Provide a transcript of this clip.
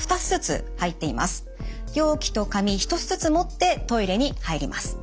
容器と紙１つずつ持ってトイレに入ります。